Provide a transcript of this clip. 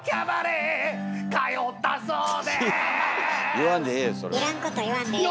言わんでええよ